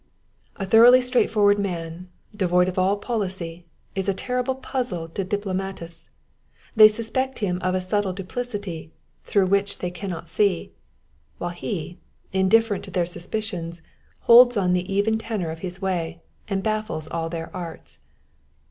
A thoroughly straightforward man, devoid of all policy, is a terrible puzzle to diplomatists ; they suspect him of a subtle duplicity through which they cannot see, while he, indiHerent to their sus picions, holds on the even tenor of his way, and baffles all their arts.